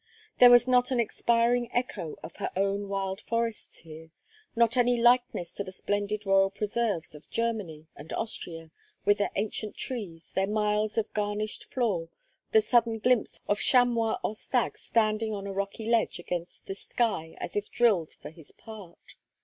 There was not an expiring echo of her own wild forests here; nor any likeness to the splendid royal preserves of Germany and Austria, with their ancient trees, their miles of garnished floor, the sudden glimpse of chamois or stag standing on a rocky ledge against the sky as if drilled for his part.